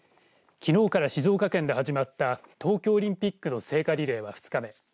きのうから静岡県で始まった東京オリンピックの聖火リレーは２日目。